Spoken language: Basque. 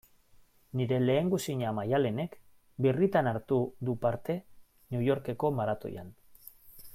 Nire lehengusina Maialenek birritan hartu du parte New Yorkeko maratoian.